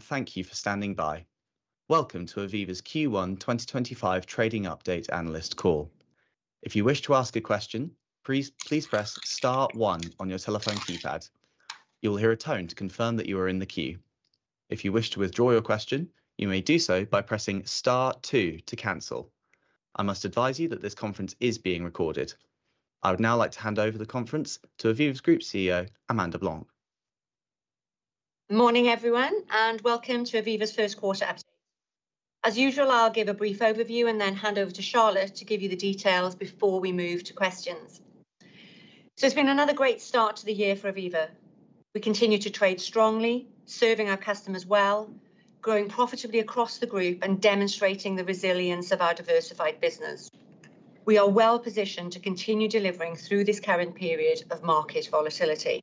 Thank you for standing by. Welcome to Aviva's Q1 2025 trading update analyst call. If you wish to ask a question, please press star one on your telephone keypad. You will hear a tone to confirm that you are in the queue. If you wish to withdraw your question, you may do so by pressing star two to cancel. I must advise you that this conference is being recorded. I would now like to hand over the conference to Aviva's Group CEO, Amanda Blanc. Morning, everyone, and welcome to Aviva's first quarter update. As usual, I'll give a brief overview and then hand over to Charlotte to give you the details before we move to questions. It's been another great start to the year for Aviva. We continue to trade strongly, serving our customers well, growing profitably across the group, and demonstrating the resilience of our diversified business. We are well positioned to continue delivering through this current period of market volatility.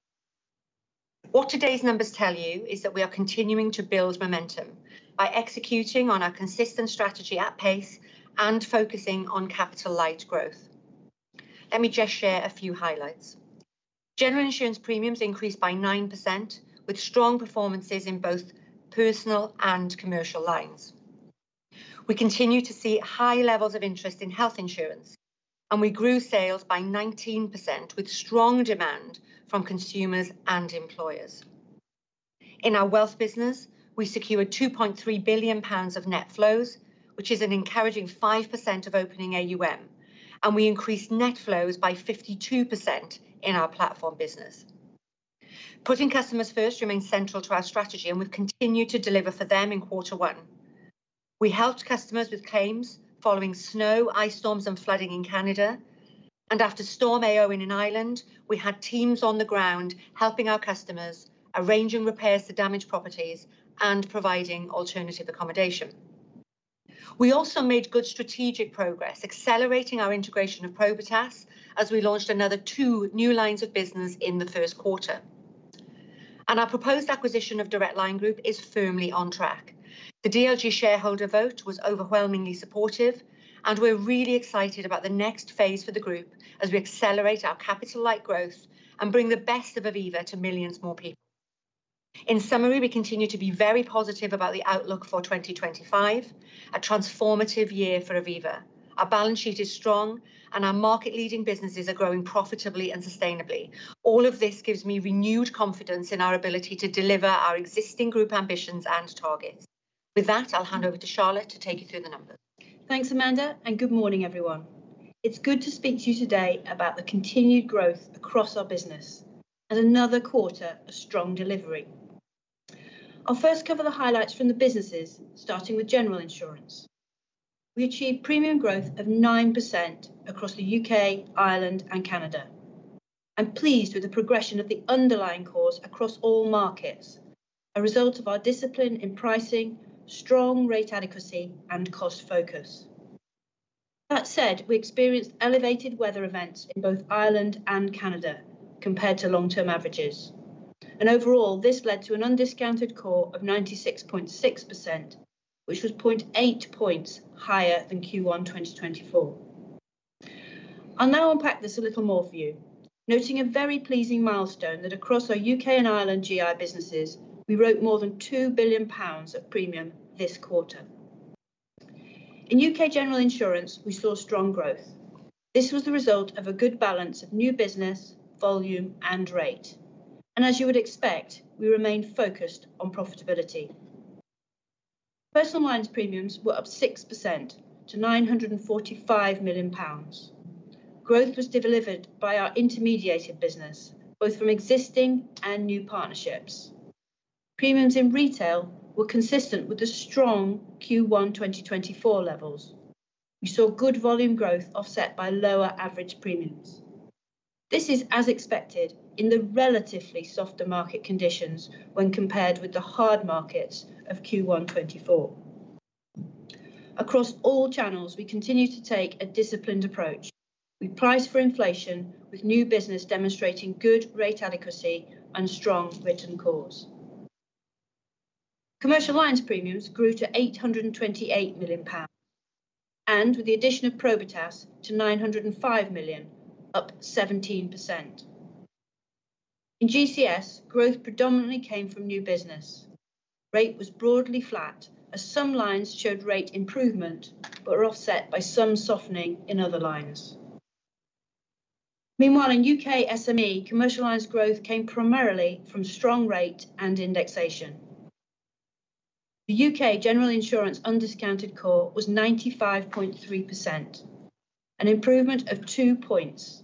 What today's numbers tell you is that we are continuing to build momentum by executing on our consistent strategy at pace and focusing on capital light growth. Let me just share a few highlights. General insurance premiums increased by 9%, with strong performances in both personal and commercial lines. We continue to see high levels of interest in health insurance, and we grew sales by 19%, with strong demand from consumers and employers. In our wealth business, we secured 2.3 billion pounds of net flows, which is an encouraging 5% of opening AUM, and we increased net flows by 52% in our platform business. Putting customers first remains central to our strategy, and we have continued to deliver for them in quarter one. We helped customers with claims following snow, ice storms, and flooding in Canada, and after storm Eowyn in Ireland, we had teams on the ground helping our customers, arranging repairs to damaged properties, and providing alternative accommodation. We also made good strategic progress, accelerating our integration of Probitas as we launched another two new lines of business in the first quarter. Our proposed acquisition of Direct Line Group is firmly on track. The DLG shareholder vote was overwhelmingly supportive, and we're really excited about the next phase for the group as we accelerate our capital light growth and bring the best of Aviva to millions more people. In summary, we continue to be very positive about the outlook for 2025, a transformative year for Aviva. Our balance sheet is strong, and our market-leading businesses are growing profitably and sustainably. All of this gives me renewed confidence in our ability to deliver our existing group ambitions and targets. With that, I'll hand over to Charlotte to take you through the numbers. Thanks, Amanda, and good morning, everyone. It's good to speak to you today about the continued growth across our business and another quarter of strong delivery. I'll first cover the highlights from the businesses, starting with general insurance. We achieved premium growth of 9% across the U.K., Ireland, and Canada. I'm pleased with the progression of the underlying cause across all markets, a result of our discipline in pricing, strong rate adequacy, and cost focus. That said, we experienced elevated weather events in both Ireland and Canada compared to long-term averages. Overall, this led to an undiscounted COR of 96.6%, which was 0.8 percentage points higher than Q1 2024. I'll now unpack this a little more for you, noting a very pleasing milestone that across our U.K. and Ireland GI businesses, we wrote more than 2 billion pounds of premium this quarter. In U.K. general insurance, we saw strong growth. This was the result of a good balance of new business, volume, and rate. As you would expect, we remained focused on profitability. Personal lines premiums were up 6% to 945 million pounds. Growth was delivered by our intermediated business, both from existing and new partnerships. Premiums in retail were consistent with the strong Q1 2024 levels. We saw good volume growth offset by lower average premiums. This is as expected in the relatively softer market conditions when compared with the hard markets of Q1 2024. Across all channels, we continue to take a disciplined approach. We price for inflation, with new business demonstrating good rate adequacy and strong written cause. Commercial lines premiums grew to 828 million pounds, and with the addition of Probitas to 905 million, up 17%. In GCS, growth predominantly came from new business. Rate was broadly flat, as some lines showed rate improvement but were offset by some softening in other lines. Meanwhile, in U.K. SME, commercial lines growth came primarily from strong rate and indexation. The U.K. general insurance undiscounted COR was 95.3%, an improvement of 2 percentage points,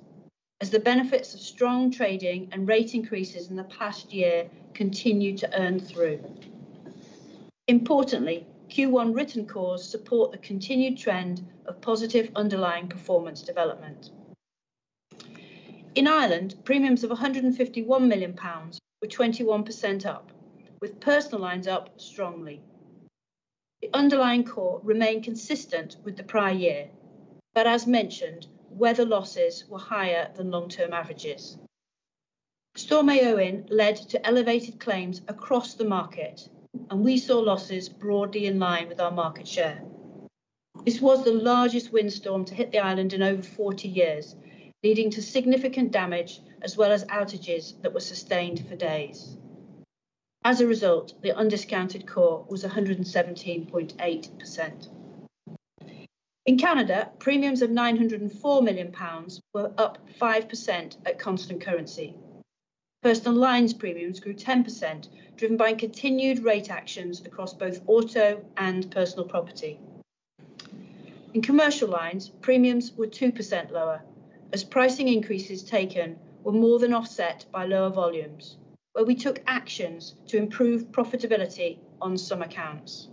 as the benefits of strong trading and rate increases in the past year continued to earn through. Importantly, Q1 written COR supports the continued trend of positive underlying performance development. In Ireland, premiums of 151 million pounds were 21% up, with personal lines up strongly. The underlying COR remained consistent with the prior year, but as mentioned, weather losses were higher than long-term averages. Storm Éowyn led to elevated claims across the market, and we saw losses broadly in line with our market share. This was the largest windstorm to hit the island in over 40 years, leading to significant damage as well as outages that were sustained for days. As a result, the undiscounted COR was 117.8%. In Canada, premiums of 904 million pounds were up 5% at constant currency. Personal lines premiums grew 10%, driven by continued rate actions across both auto and personal property. In commercial lines, premiums were 2% lower, as pricing increases taken were more than offset by lower volumes, where we took actions to improve profitability on some accounts.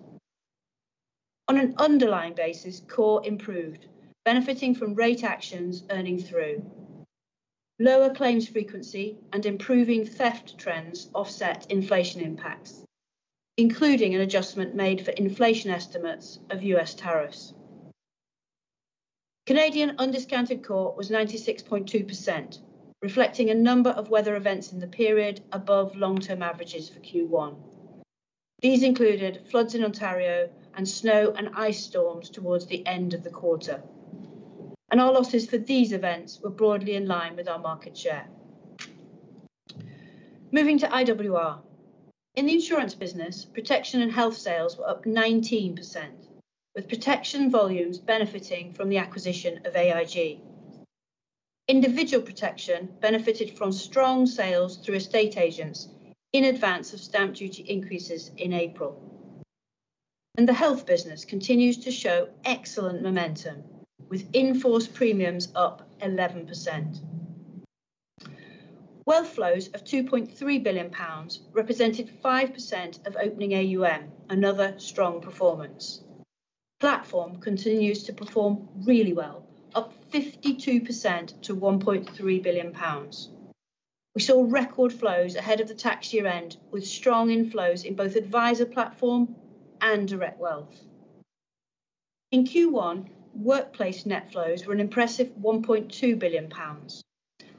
On an underlying basis, core improved, benefiting from rate actions earning through. Lower claims frequency and improving theft trends offset inflation impacts, including an adjustment made for inflation estimates of US tariffs. Canadian undiscounted core was 96.2%, reflecting a number of weather events in the period above long-term averages for Q1. These included floods in Ontario and snow and ice storms towards the end of the quarter. Our losses for these events were broadly in line with our market share. Moving to IWR. In the insurance business, protection and health sales were up 19%, with protection volumes benefiting from the acquisition of AIG. Individual protection benefited from strong sales through estate agents in advance of stamp duty increases in April. The health business continues to show excellent momentum, with in-force premiums up 11%. Wealth flows of 2.3 billion pounds represented 5% of opening AUM, another strong performance. Platform continues to perform really well, up 52% to 1.3 billion pounds. We saw record flows ahead of the tax year end, with strong inflows in both adviser platform and direct wealth. In Q1, workplace net flows were an impressive 1.2 billion pounds.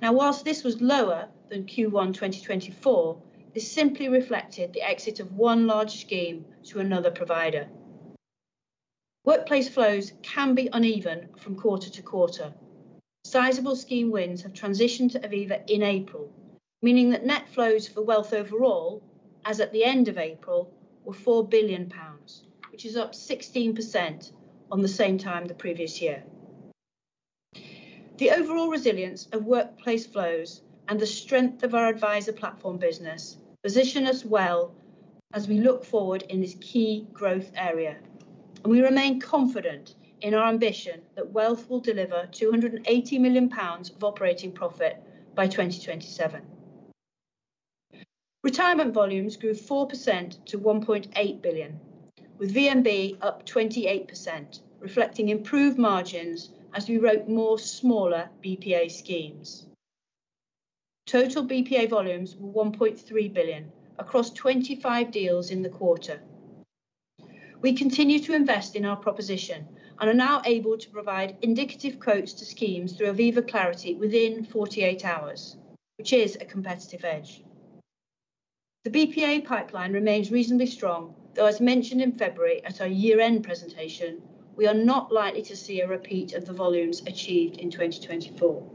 Now, whilst this was lower than Q1 2024, this simply reflected the exit of one large scheme to another provider. Workplace flows can be uneven from quarter-to-quarter. Sizable scheme wins have transitioned to Aviva in April, meaning that net flows for wealth overall, as at the end of April, were 4 billion pounds, which is up 16% on the same time the previous year. The overall resilience of workplace flows and the strength of our adviser platform business position us well as we look forward in this key growth area. We remain confident in our ambition that wealth will deliver 280 million pounds of operating profit by 2027. Retirement volumes grew 4% to 1.8 billion, with VMB up 28%, reflecting improved margins as we wrote more smaller BPA schemes. Total BPA volumes were 1.3 billion across 25 deals in the quarter. We continue to invest in our proposition and are now able to provide indicative quotes to schemes through Aviva Clarity within 48 hours, which is a competitive edge. The BPA pipeline remains reasonably strong, though, as mentioned in February at our year-end presentation, we are not likely to see a repeat of the volumes achieved in 2024.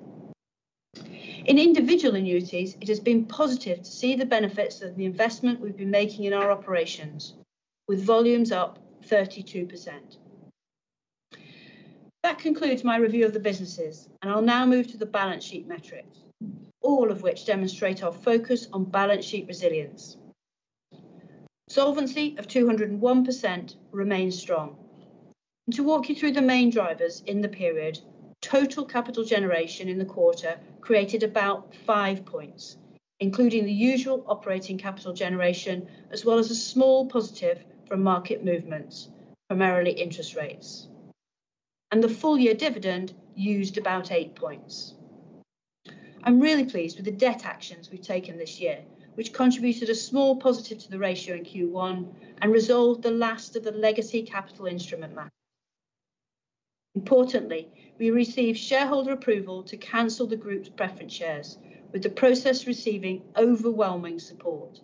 In individual annuities, it has been positive to see the benefits of the investment we've been making in our operations, with volumes up 32%. That concludes my review of the businesses, and I'll now move to the balance sheet metrics, all of which demonstrate our focus on balance sheet resilience. Solvency of 201% remains strong. To walk you through the main drivers in the period, total capital generation in the quarter created about 5 percentage points, including the usual operating capital generation, as well as a small positive from market movements, primarily interest rates. The full-year dividend used about 8 percentage points. I'm really pleased with the debt actions we've taken this year, which contributed a small positive to the ratio in Q1 and resolved the last of the legacy capital instrument matter. Importantly, we received shareholder approval to cancel the group's preference shares, with the process receiving overwhelming support.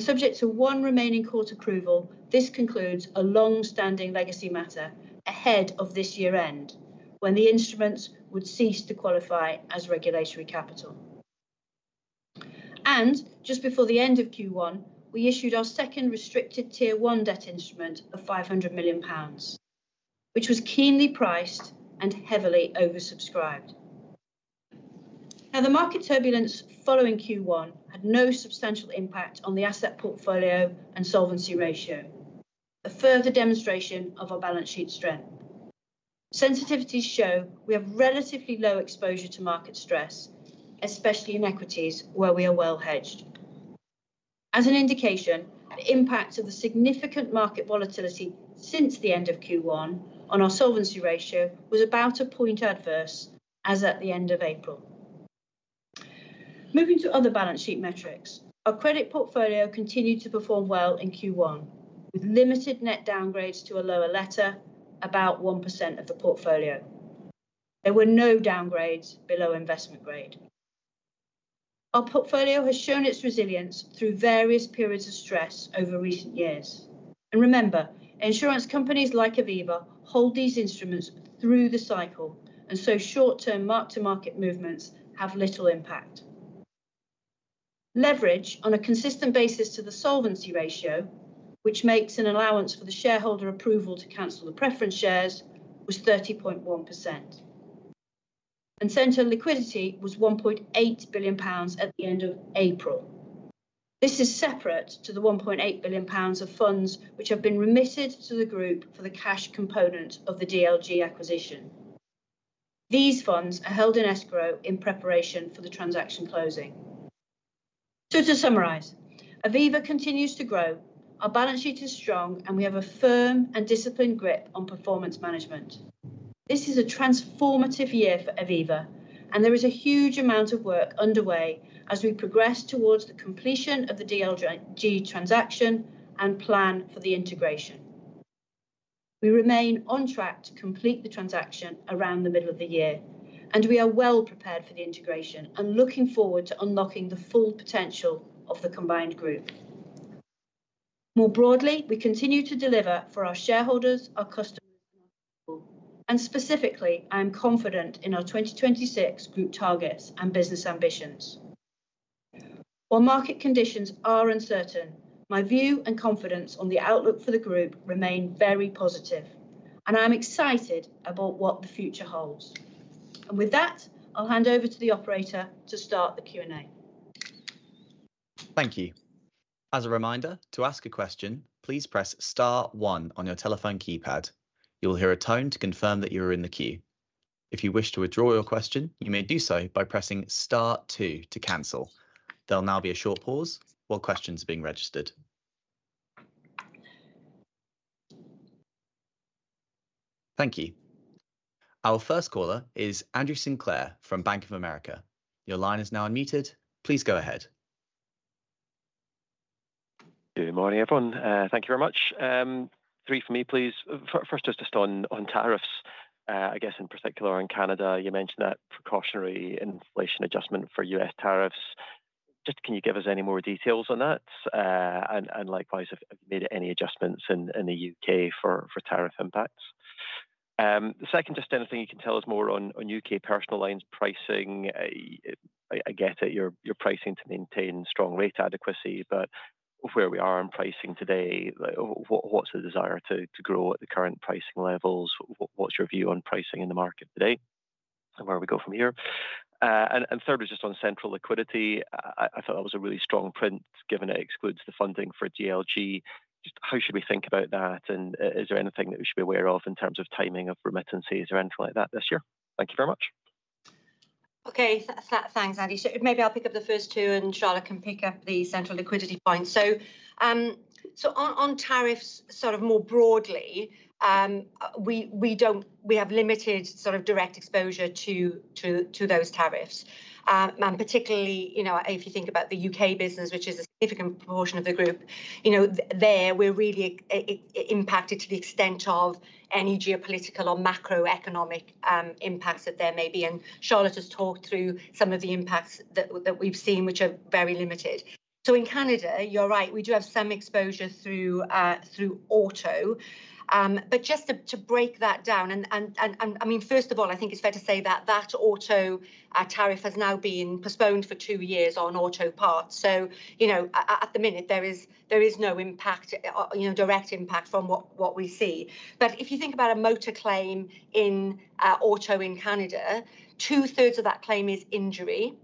Subject to one remaining court approval, this concludes a long-standing legacy matter ahead of this year-end, when the instruments would cease to qualify as regulatory capital. Just before the end of Q1, we issued our second restricted tier one debt instrument of 500 million pounds, which was keenly priced and heavily oversubscribed. The market turbulence following Q1 had no substantial impact on the asset portfolio and solvency ratio, a further demonstration of our balance sheet strength. Sensitivities show we have relatively low exposure to market stress, especially in equities where we are well hedged. As an indication, the impact of the significant market volatility since the end of Q1 on our solvency ratio was about a point adverse, as at the end of April. Moving to other balance sheet metrics, our credit portfolio continued to perform well in Q1, with limited net downgrades to a lower letter, about 1% of the portfolio. There were no downgrades below investment grade. Our portfolio has shown its resilience through various periods of stress over recent years. Remember, insurance companies like Aviva hold these instruments through the cycle, and so short-term mark-to-market movements have little impact. Leverage on a consistent basis to the solvency ratio, which makes an allowance for the shareholder approval to cancel the preference shares, was 30.1%. Central liquidity was 1.8 billion pounds at the end of April. This is separate to the 1.8 billion pounds of funds which have been remitted to the group for the cash component of the DLG acquisition. These funds are held in escrow in preparation for the transaction closing. To summarise, Aviva continues to grow, our balance sheet is strong, and we have a firm and disciplined grip on performance management. This is a transformative year for Aviva, and there is a huge amount of work underway as we progress towards the completion of the DLG transaction and plan for the integration. We remain on track to complete the transaction around the middle of the year, and we are well prepared for the integration and looking forward to unlocking the full potential of the combined group. More broadly, we continue to deliver for our shareholders, our customers, and our people. Specifically, I am confident in our 2026 group targets and business ambitions. While market conditions are uncertain, my view and confidence on the outlook for the group remain very positive, and I am excited about what the future holds. With that, I'll hand over to the Operator to start the Q&A. Thank you. As a reminder, to ask a question, please press Star one on your telephone keypad. You will hear a tone to confirm that you are in the queue. If you wish to withdraw your question, you may do so by pressing Star two to cancel. There will now be a short pause while questions are being registered. Thank you. Our first caller is Andrew Sinclair from Bank of America. Your line is now unmuted. Please go ahead. Good morning, everyone. Thank you very much. Three for me, please. First, just on tariffs, I guess in particular in Canada, you mentioned that precautionary inflation adjustment for US tariffs. Just can you give us any more details on that? Likewise, have you made any adjustments in the U.K. for tariff impacts? The second, just anything you can tell us more on U.K. personal lines pricing. I get that you're pricing to maintain strong rate adequacy, but where we are in pricing today, what's the desire to grow at the current pricing levels? What's your view on pricing in the market today and where we go from here? Third, just on central liquidity, I thought that was a really strong print given it excludes the funding for DLG. Just how should we think about that? Is there anything that we should be aware of in terms of timing of remittances or anything like that this year? Thank you very much. Okay, thanks, Andy. Maybe I'll pick up the first two, and Charlotte can pick up the central liquidity points. On tariffs, sort of more broadly, we have limited sort of direct exposure to those tariffs. Particularly, if you think about the U.K. business, which is a significant proportion of the group, you know, there we are really impacted to the extent of any geopolitical or macroeconomic impacts that there may be. Charlotte has talked through some of the impacts that we have seen, which are very limited. In Canada, you are right, we do have some exposure through auto. Just to break that down, I mean, first of all, I think it is fair to say that that auto tariff has now been postponed for two years on auto parts. At the minute, there is no impact, direct impact from what we see. If you think about a motor claim in auto in Canada, two-thirds of that claim is injury,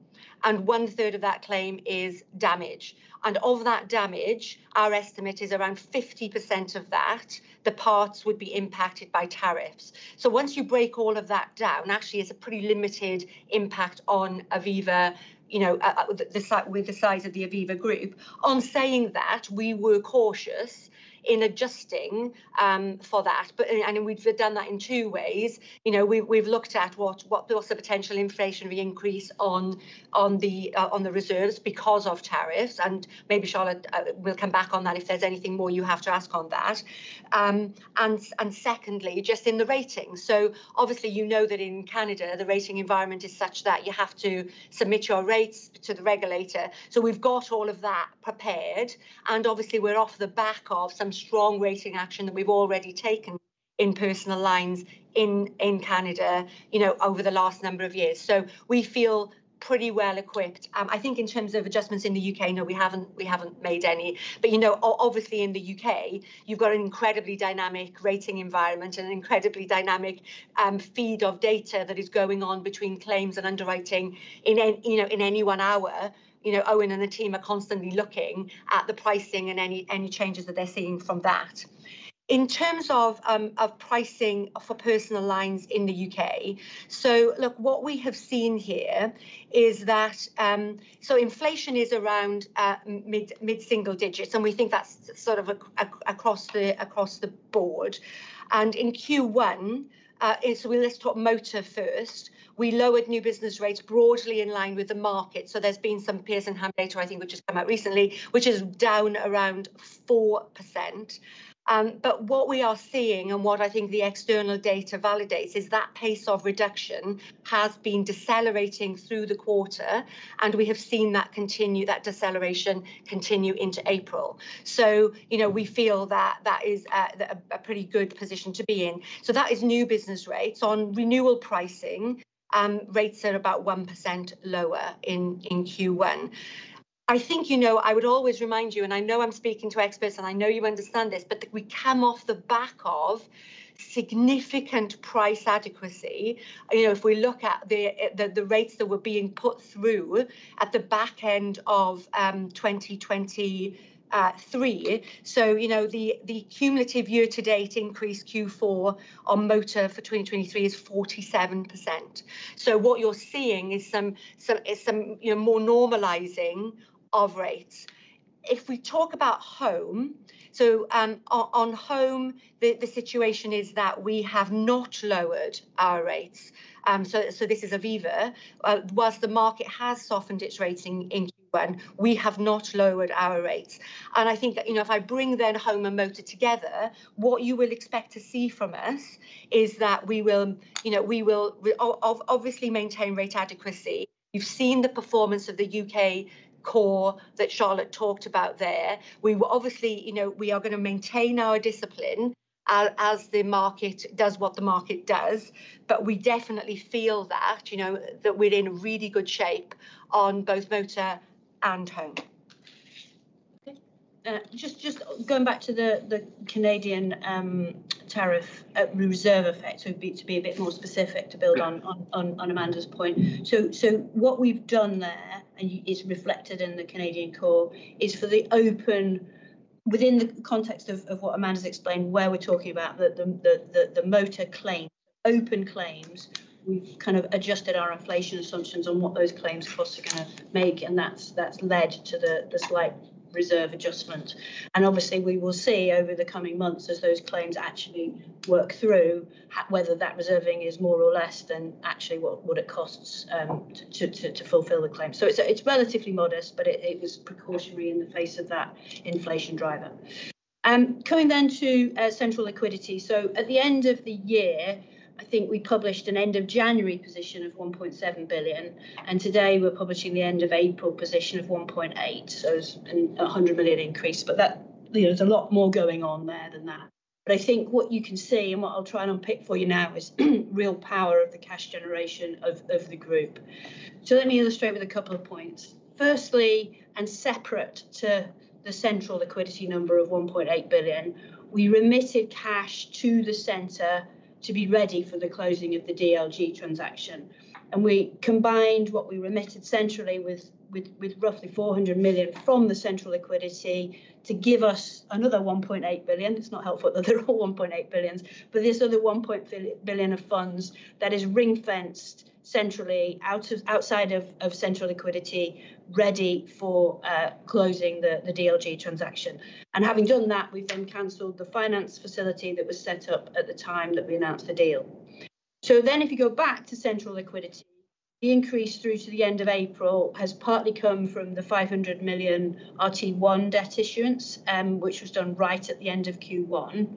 and one-third of that claim is damage. Of that damage, our estimate is around 50% of that, the parts would be impacted by tariffs. Once you break all of that down, actually, it is a pretty limited impact on Aviva, with the size of the Aviva group. On saying that, we were cautious in adjusting for that. We have done that in two ways. We have looked at what is the potential inflationary increase on the reserves because of tariffs. Maybe Charlotte will come back on that if there is anything more you have to ask on that. Secondly, just in the rating. Obviously, you know that in Canada, the rating environment is such that you have to submit your rates to the regulator. We have got all of that prepared. Obviously, we're off the back of some strong rating action that we've already taken in personal lines in Canada over the last number of years. We feel pretty well equipped. I think in terms of adjustments in the U.K., no, we haven't made any. Obviously, in the U.K., you've got an incredibly dynamic rating environment and an incredibly dynamic feed of data that is going on between claims and underwriting in any one hour. Owen and the team are constantly looking at the pricing and any changes that they're seeing from that. In terms of pricing for personal lines in the U.K., what we have seen here is that inflation is around mid-single digits, and we think that's sort of across the board. In Q1, let's talk motor first. We lowered new business rates broadly in line with the market. There has been some Pearson Ham data, I think, which has come out recently, which is down around 4%. What we are seeing and what I think the external data validates is that pace of reduction has been decelerating through the quarter, and we have seen that deceleration continue into April. We feel that that is a pretty good position to be in. That is new business rates. On renewal pricing, rates are about 1% lower in Q1. I think I would always remind you, and I know I am speaking to experts and I know you understand this, but we come off the back of significant price adequacy. If we look at the rates that were being put through at the back end of 2023, the cumulative year-to-date increase Q4 on motor for 2023 is 47%. What you are seeing is some more normalizing of rates. If we talk about home, on home, the situation is that we have not lowered our rates. This is Aviva. Whilst the market has softened its rating in Q1, we have not lowered our rates. I think if I bring home and motor together, what you will expect to see from us is that we will obviously maintain rate adequacy. You have seen the performance of the U.K. core that Charlotte talked about there. We are going to maintain our discipline as the market does what the market does. We definitely feel that we are in really good shape on both motor and home. Just going back to the Canadian tariff reserve effect, to be a bit more specific, to build on Amanda's point. What we have done there is reflected in the Canadian core is for the open within the context of what Amanda's explained, where we are talking about the motor claims, open claims, we have kind of adjusted our inflation assumptions on what those claims costs are going to make, and that has led to the slight reserve adjustment. Obviously, we will see over the coming months as those claims actually work through whether that reserving is more or less than actually what it costs to fulfill the claim. It is relatively modest, but it was precautionary in the face of that inflation driver. Coming then to central liquidity. At the end of the year, I think we published an end-of-January position of 1.7 billion, and today we are publishing the end-of-April position of 1.8 billion, so it is a 100 million increase. There is a lot more going on there than that. I think what you can see and what I'll try and unpick for you now is real power of the cash generation of the group. Let me illustrate with a couple of points. Firstly, and separate to the central liquidity number of 1.8 billion, we remitted cash to the Centre to be ready for the closing of the DLG transaction. We combined what we remitted centrally with roughly 400 million from the central liquidity to give us another 1.8 billion. It's not helpful that they're all 1.8 billion, but this other 1 billion of funds is ring-fenced centrally outside of central liquidity, ready for closing the DLG transaction. Having done that, we've then cancelled the finance facility that was set up at the time that we announced the deal. If you go back to central liquidity, the increase through to the end of April has partly come from the 500 million RT1 debt issuance, which was done right at the end of Q1,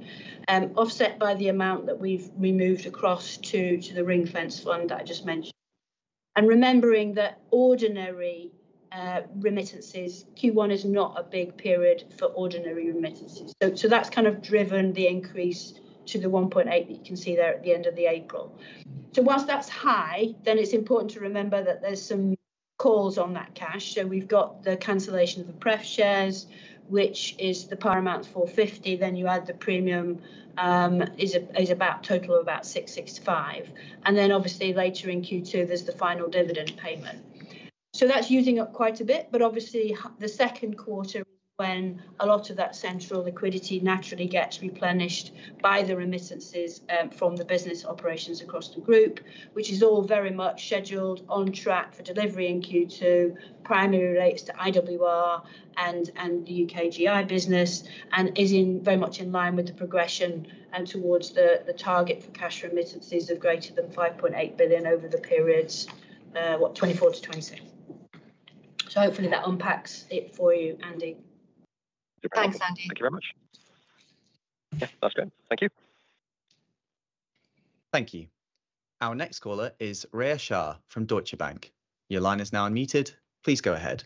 offset by the amount that we've removed across to the ring-fenced fund that I just mentioned. Remembering that ordinary remittances, Q1 is not a big period for ordinary remittances. That has kind of driven the increase to the 1.8 billion that you can see there at the end of April. Whilst that's high, it's important to remember that there are some calls on that cash. We've got the cancellation of the prep shares, which is the paramount 450 million. Then you add the premium, which is about a total of about 665 million. Obviously, later in Q2, there's the final dividend payment. That's using up quite a bit. Obviously, the second quarter is when a lot of that central liquidity naturally gets replenished by the remittances from the business operations across the group, which is all very much scheduled on track for delivery in Q2, primarily relates to IWR and the U.K. GI business, and is very much in line with the progression towards the target for cash remittances of greater than 5.8 billion over the periods, what, 2024 to 2026. Hopefully that unpacks it for you, Andy. Thanks, Andy. Thank you very much. Yeah, that's great. Thank you. Thank you. Our next caller is Rhea Shah from Deutsche Bank. Your line is now unmuted. Please go ahead.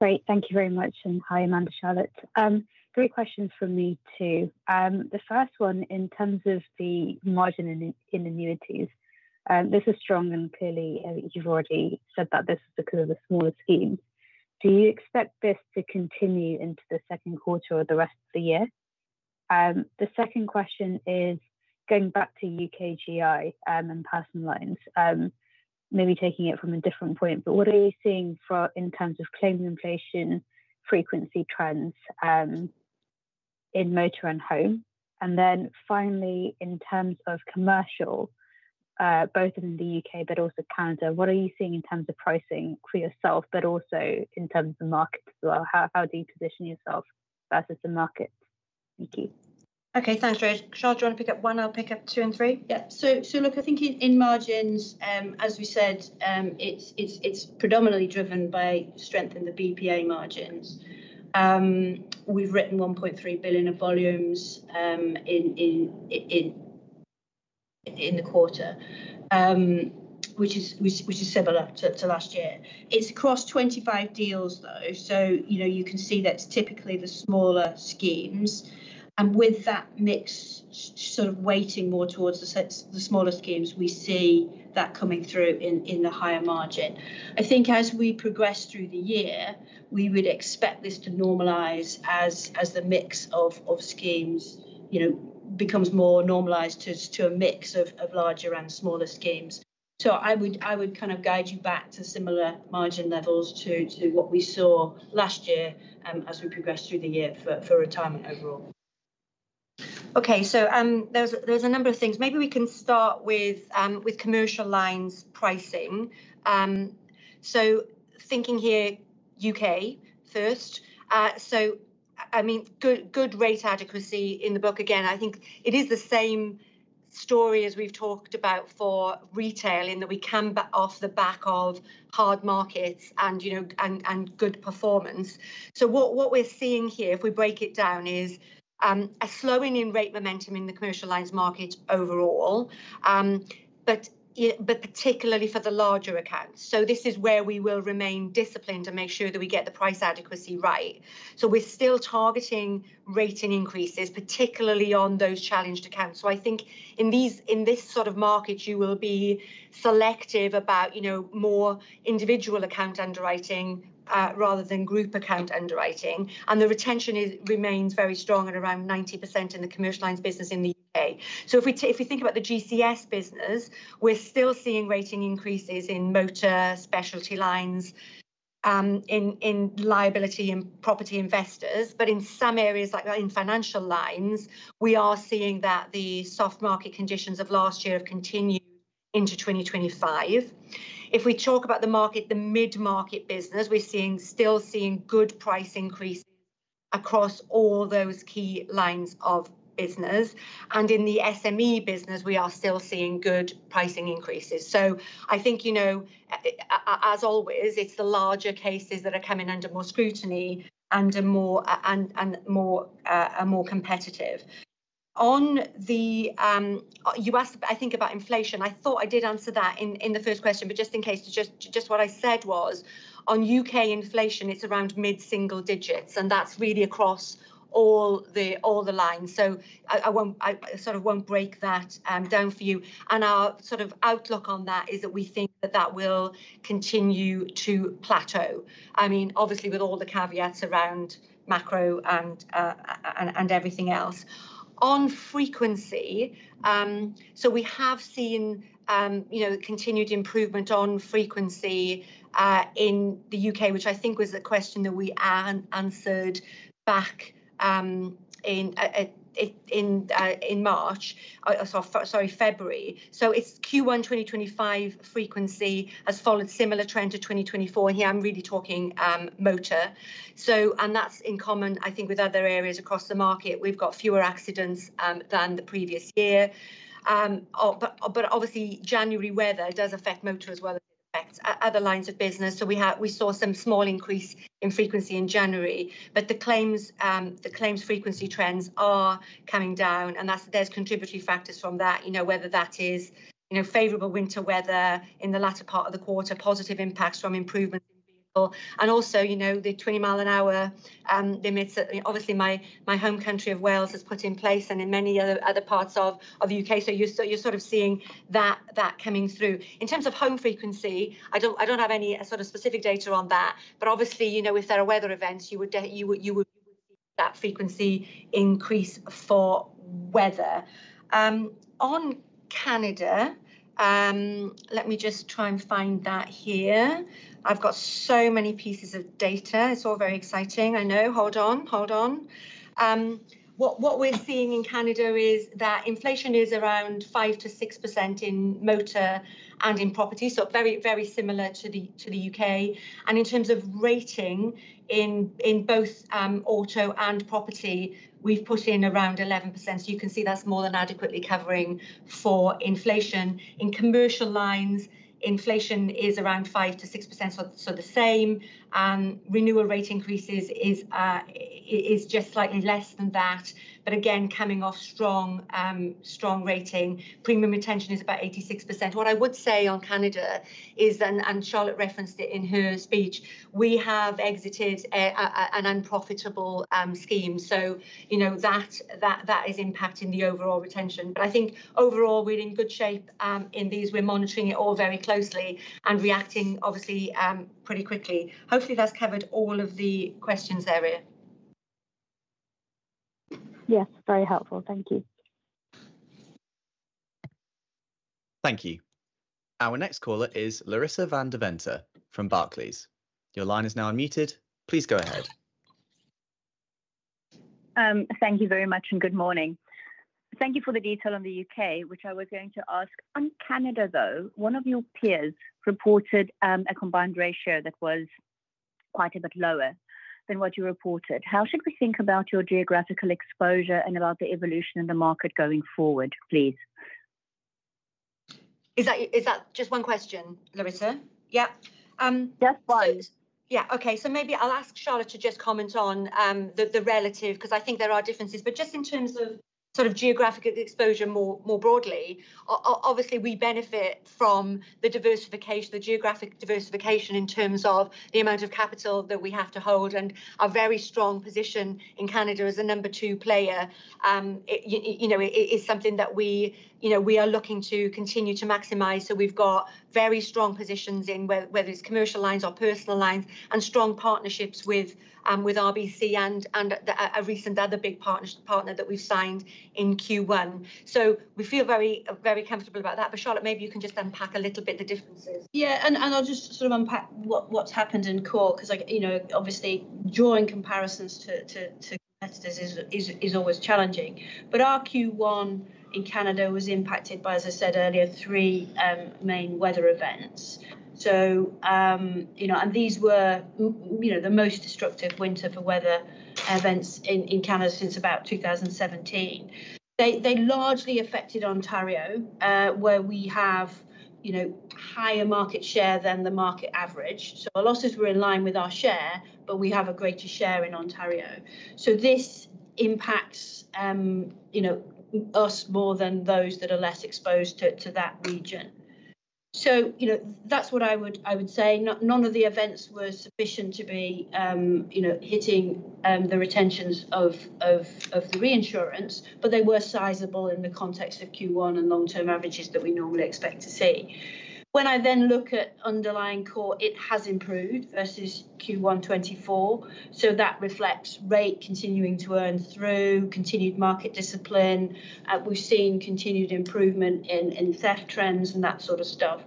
Great. Thank you very much. Hi, Amanda, Charlotte. Three questions for me too. The first one, in terms of the margin in annuities, this is strong and clearly you have already said that this is because of the smaller schemes. Do you expect this to continue into the second quarter or the rest of the year? The second question is going back to U.K. GI and personal lines, maybe taking it from a different point. What are you seeing in terms of claim inflation frequency trends in motor and home? Finally, in terms of commercial, both in the U.K. but also Canada, what are you seeing in terms of pricing for yourself, but also in terms of the market as well? How do you position yourself versus the market? Thank you. Okay, thanks, Rhea. Charlotte, do you want to pick up one? I will pick up two and three. Yeah. Look, I think in margins, as we said, it's predominantly driven by strength in the BPA margins. We've written 1.3 billion of volumes in the quarter, which is similar to last year. It's across 25 deals, though. You can see that's typically the smaller schemes. With that mix sort of weighting more towards the smaller schemes, we see that coming through in the higher margin. I think as we progress through the year, we would expect this to normalize as the mix of schemes becomes more normalized to a mix of larger and smaller schemes. I would kind of guide you back to similar margin levels to what we saw last year as we progressed through the year for retirement overall. There are a number of things. Maybe we can start with commercial lines pricing. Thinking here, U.K. first. I mean, good rate adequacy in the book. Again, I think it is the same story as we've talked about for retail in that we can back off the back of hard markets and good performance. What we're seeing here, if we break it down, is a slowing in rate momentum in the commercial lines market overall, but particularly for the larger accounts. This is where we will remain disciplined to make sure that we get the price adequacy right. We're still targeting rating increases, particularly on those challenged accounts. I think in this sort of market, you will be selective about more individual account underwriting rather than group account underwriting. The retention remains very strong at around 90% in the commercial lines business in the U.K. If we think about the GCS business, we're still seeing rating increases in motor specialty lines, in liability and property investors. In some areas like that, in financial lines, we are seeing that the soft market conditions of last year have continued into 2025. If we talk about the market, the mid-market business, we're still seeing good price increases across all those key lines of business. In the SME business, we are still seeing good pricing increases. I think, as always, it's the larger cases that are coming under more scrutiny and more competitive. On the U.S., I think about inflation. I thought I did answer that in the first question, but just in case, what I said was on U.K. inflation, it's around mid-single digits, and that's really across all the lines. I sort of won't break that down for you. Our sort of outlook on that is that we think that that will continue to plateau. I mean, obviously, with all the caveats around macro and everything else. On frequency, we have seen continued improvement on frequency in the U.K., which I think was a question that we answered back in March, sorry, February. It is Q1 2025 frequency has followed a similar trend to 2024. Here, I am really talking motor. That is in common, I think, with other areas across the market. We have got fewer accidents than the previous year. Obviously, January weather does affect motor as well as it affects other lines of business. We saw some small increase in frequency in January, but the claims frequency trends are coming down. There are contributory factors from that, whether that is favorable winter weather in the latter part of the quarter, positive impacts from improvements in vehicle, and also the 20 mi per hour limits. Obviously, my home country of Wales has put in place and in many other parts of the U.K. You are sort of seeing that coming through. In terms of home frequency, I do not have any sort of specific data on that. Obviously, if there are weather events, you would see that frequency increase for weather. On Canada, let me just try and find that here. I have so many pieces of data. It is all very exciting. I know. Hold on. Hold on. What we are seeing in Canada is that inflation is around 5%-6% in motor and in property, so very similar to the U.K. In terms of rating in both auto and property, we've put in around 11%. You can see that's more than adequately covering for inflation. In commercial lines, inflation is around 5-6%, so the same. Renewal rate increases are just slightly less than that, but again, coming off strong rating. Premium retention is about 86%. What I would say on Canada is, and Charlotte referenced it in her speech, we have exited an unprofitable scheme. That is impacting the overall retention. I think overall, we're in good shape in these. We're monitoring it all very closely and reacting, obviously, pretty quickly. Hopefully, that's covered all of the questions there, Rhea. Yes, very helpful. Thank you. Thank you. Our next caller is Larissa van Deventer from Barclays. Your line is now unmuted. Please go ahead. Thank you very much and good morning. Thank you for the detail on the U.K., which I was going to ask. On Canada, though, one of your peers reported a combined ratio that was quite a bit lower than what you reported. How should we think about your geographical exposure and about the evolution in the market going forward, please? Is that just one question, Larissa? Yep. Yes. Yeah. Okay. Maybe I'll ask Charlotte to just comment on the relative because I think there are differences. Just in terms of sort of geographic exposure more broadly, obviously, we benefit from the geographic diversification in terms of the amount of capital that we have to hold. Our very strong position in Canada as a number two player is something that we are looking to continue to maximise. We've got very strong positions in whether it's commercial lines or personal lines and strong partnerships with RBC and a recent other big partner that we've signed in Q1. We feel very comfortable about that. Charlotte, maybe you can just unpack a little bit the differences. Yeah. I'll just sort of unpack what's happened in Canada because obviously, drawing comparisons to competitors is always challenging. Our Q1 in Canada was impacted by, as I said earlier, three main weather events. These were the most destructive winter weather events in Canada since about 2017. They largely affected Ontario, where we have higher market share than the market average. Our losses were in line with our share, but we have a greater share in Ontario. This impacts us more than those that are less exposed to that region. That is what I would say. None of the events were sufficient to be hitting the retentions of the reinsurance, but they were sizable in the context of Q1 and long-term averages that we normally expect to see. When I then look at underlying core, it has improved versus Q1 2024. That reflects rate continuing to earn through, continued market discipline. We have seen continued improvement in theft trends and that sort of stuff.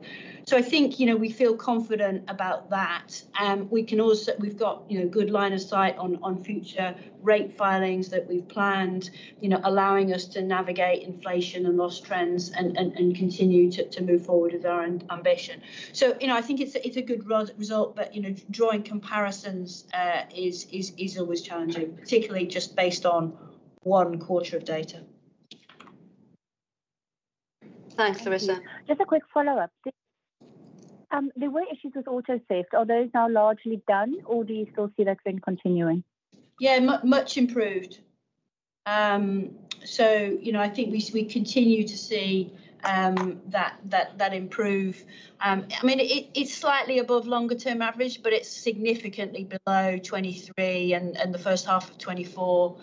I think we feel confident about that. We have a good line of sight on future rate filings that we have planned, allowing us to navigate inflation and loss trends and continue to move forward with our ambition. I think it is a good result, but drawing comparisons is always challenging, particularly just based on one quarter of data. Thanks, Larissa. Just a quick follow-up. The way issues with auto theft, are those now largely done or do you still see that trend continuing? Yeah, much improved. I think we continue to see that improve. I mean, it is slightly above longer-term average, but it is significantly below 2023 and the first half of 2024.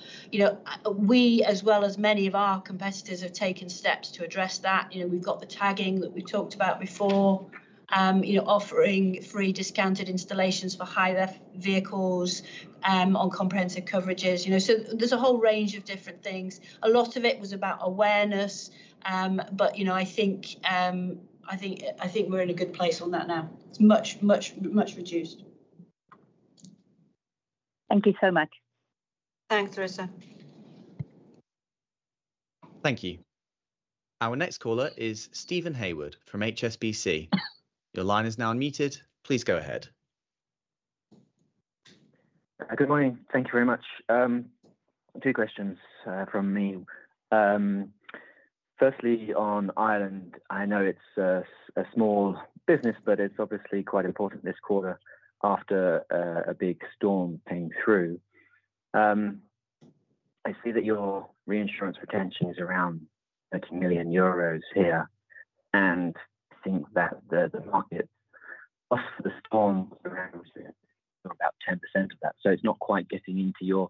We, as well as many of our competitors, have taken steps to address that. We have got the tagging that we talked about before, offering free discounted installations for high-lift vehicles on comprehensive coverages. There is a whole range of different things. A lot of it was about awareness, but I think we are in a good place on that now. It is much, much, much reduced. Thank you so much. Thanks, Larissa. Thank you. Our next caller is Stephen Hayward from HSBC. Your line is now unmuted. Please go ahead. Good morning. Thank you very much. Two questions from me. Firstly, on Ireland, I know it's a small business, but it's obviously quite important this quarter after a big storm came through. I see that your reinsurance retention is around 30 million euros here, and I think that the market off the storm surrounds you about 10% of that. So it's not quite getting into your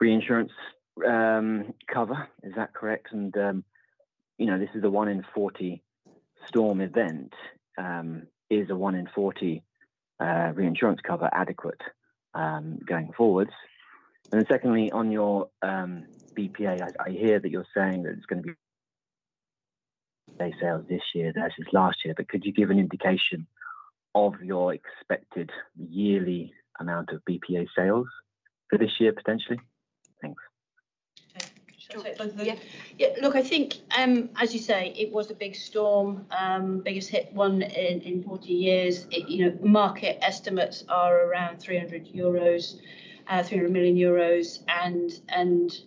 reinsurance cover. Is that correct? Is this a one in 40 storm event? Is a one in 40 reinsurance cover adequate going forwards? Secondly, on your BPA, I hear that you're saying that it's going to be BPA sales this year. That's just last year. Could you give an indication of your expected yearly amount of BPA sales for this year, potentially? Thanks. Yeah. Look, I think, as you say, it was a big storm, biggest hit one in 40 years. Market estimates are around 300 million euros, and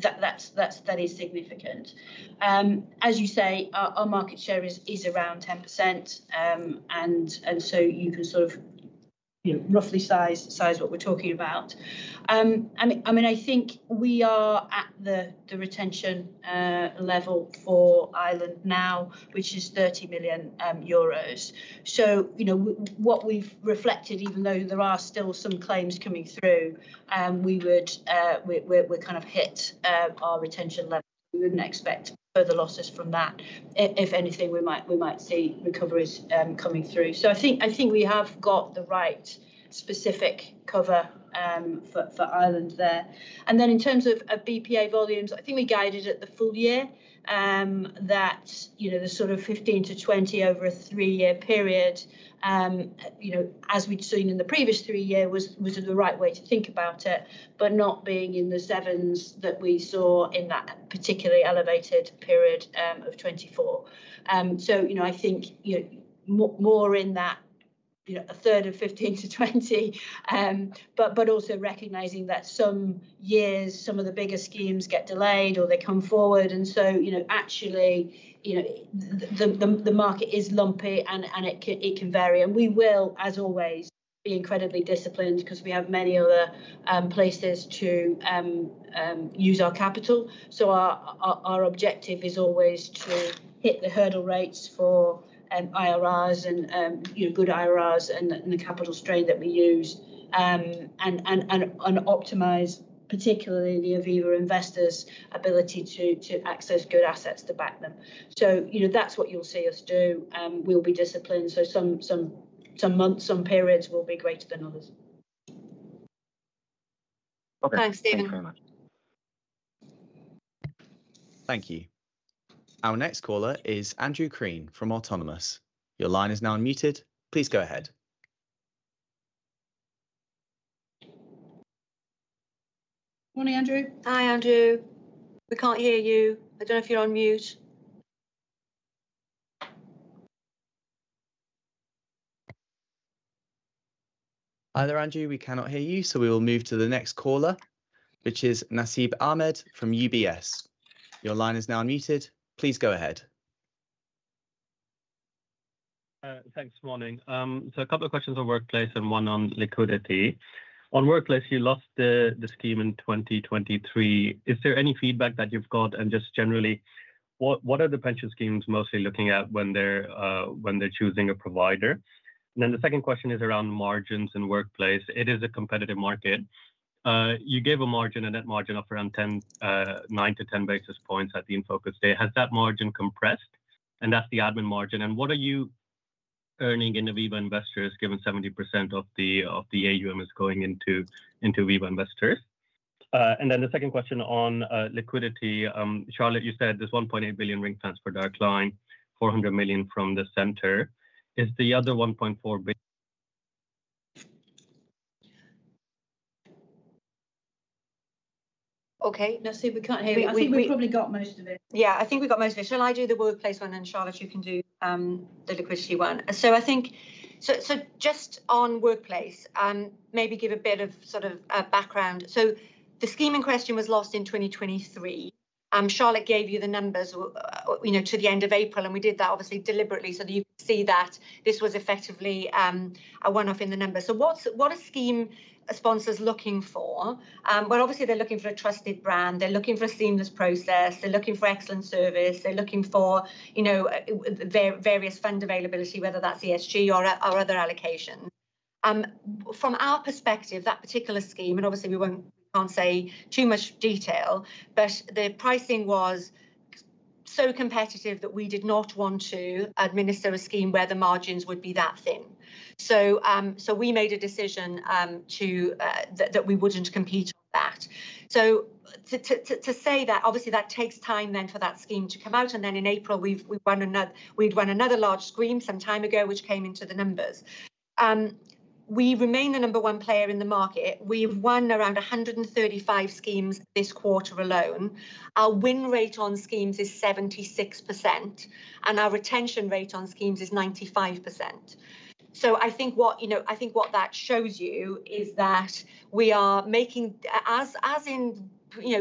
that is significant. As you say, our market share is around 10%. You can sort of roughly size what we're talking about. I mean, I think we are at the retention level for Ireland now, which is 30 million euros. What we've reflected, even though there are still some claims coming through, we're kind of at our retention level. We wouldn't expect further losses from that. If anything, we might see recoveries coming through. I think we have got the right specific cover for Ireland there. In terms of BPA volumes, I think we guided at the full year that the sort of 15-20 over a three-year period, as we had seen in the previous three years, was the right way to think about it, but not being in the sevens that we saw in that particularly elevated period of 2024. I think more in that a third of 15-20, but also recognizing that some years, some of the bigger schemes get delayed or they come forward. The market is lumpy and it can vary. We will, as always, be incredibly disciplined because we have many other places to use our capital. Our objective is always to hit the hurdle rates for IRRs and good IRRs and the capital strain that we use and optimize, particularly the Aviva investors' ability to access good assets to back them. That is what you will see us do. We will be disciplined. Some months, some periods will be greater than others. Thanks, Stephen. Thank you. Our next caller is Andrew Green from Autonomous. Your line is now unmuted. Please go ahead. Morning, Andrew. Hi, Andrew. We cannot hear you. I do not know if you are on mute. Hi there, Andrew. We cannot hear you, so we will move to the next caller, which is Nasib Ahmed from UBS. Your line is now unmuted. Please go ahead. Thanks. Morning. A couple of questions on workplace and one on liquidity. On workplace, you lost the scheme in 2023. Is there any feedback that you have got? What are the pension schemes mostly looking at when they're choosing a provider? The second question is around margins and workplace. It is a competitive market. You gave a margin, a net margin of around 9 basis points-10 basis points at the Infocus day. Has that margin compressed? That is the admin margin. What are you earning in Aviva Investors given 70% of the AUM is going into Aviva Investors? The second question on liquidity. Charlotte, you said there is 1.8 billion ring transfer dark line, 400 million from the Center. Is the other 1.4 billion? Okay. Nasib, we can't hear you. I think we've probably got most of it. Yeah, I think we've got most of it. Shall I do the workplace one and Charlotte, you can do the liquidity one? Just on workplace, maybe give a bit of sort of background. The scheme in question was lost in 2023. Charlotte gave you the numbers to the end of April, and we did that obviously deliberately so that you can see that this was effectively a one-off in the numbers. What are scheme sponsors looking for? Obviously, they're looking for a trusted brand. They're looking for a seamless process. They're looking for excellent service. They're looking for various fund availability, whether that's ESG or other allocation. From our perspective, that particular scheme, and obviously, we can't say too much detail, but the pricing was so competitive that we did not want to administer a scheme where the margins would be that thin. We made a decision that we wouldn't compete on that. To say that, obviously, that takes time then for that scheme to come out. In April, we had run another large scheme some time ago, which came into the numbers. We remain the number one player in the market. We have won around 135 schemes this quarter alone. Our win rate on schemes is 76%, and our retention rate on schemes is 95%. I think what that shows you is that we are making, as in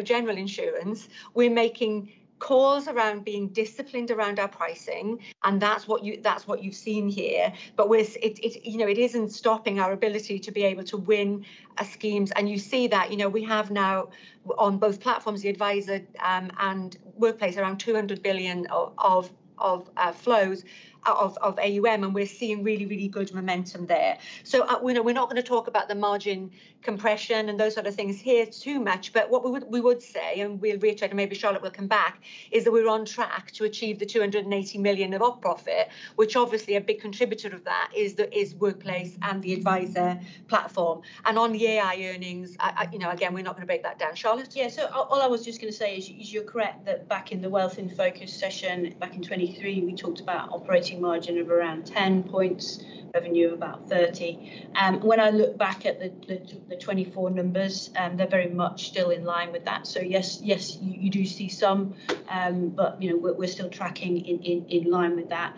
general insurance, we are making calls around being disciplined around our pricing, and that is what you have seen here. It is not stopping our ability to be able to win schemes. You see that we have now, on both platforms, the adviser and workplace, around 200 billion of flows of AUM, and we are seeing really, really good momentum there. We're not going to talk about the margin compression and those sort of things here too much. What we would say, and we'll reiterate, and maybe Charlotte will come back, is that we're on track to achieve the 280 million of our profit, which obviously a big contributor of that is workplace and the adviser platform. On the AI earnings, again, we're not going to break that down. Charlotte? Yeah. All I was just going to say is you're correct that back in the Wealth In Focus session back in 2023, we talked about operating margin of around 10 percentage points, revenue of about 30 million. When I look back at the 2024 numbers, they're very much still in line with that. Yes, you do see some, but we're still tracking in line with that.